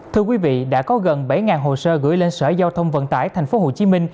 thưa quý vị đã có gần bảy hồ sơ gửi lên sở giao thông vận tải tp hcm